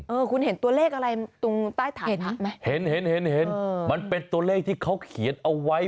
คุณเห็นตัวเลขอะไรตรงใต้ฐานเห็นไหมเห็นเห็นเห็นมันเป็นตัวเลขที่เขาเขียนเอาไว้